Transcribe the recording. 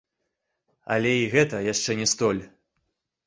Але і гэта яшчэ не столь.